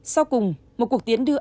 sau cùng một cuộc tiến đưa